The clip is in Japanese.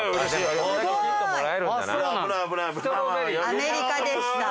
アメリカでした。